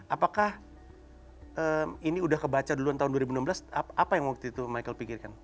apakah ini udah kebaca duluan tahun dua ribu enam belas apa yang waktu itu michael pikirkan